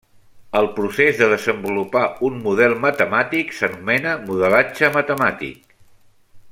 El procés de desenvolupar un model matemàtic s'anomena modelatge matemàtic.